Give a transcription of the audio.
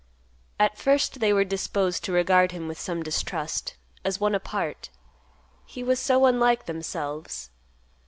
At first they were disposed to regard him with some distrust, as one apart; he was so unlike themselves.